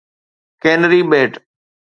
ڪينري ٻيٽ